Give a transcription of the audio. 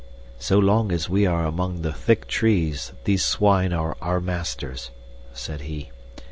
"So long as we are among the thick trees these swine are our masters," said he.